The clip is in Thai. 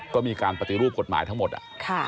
ก็มีการปฏิรูปกฎหมายทั้งหมด